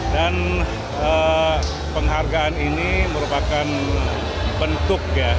dan penghargaan ini merupakan bentuk ya